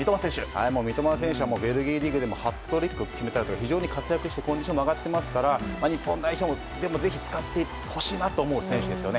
三笘選手はベルギーリーグでもハットトリックを決めたりとか非常に活躍してコンディションも上がっていますから日本代表でも使ってほしいですね。